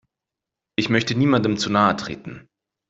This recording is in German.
Ich möchte niemandem zu nahe treten.